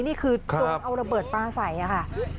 นี่คือโดนเอาระเบิดปลาใส่ค่ะ